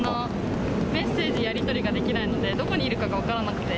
メッセージやり取りができないので、どこにいるかが分からなくて。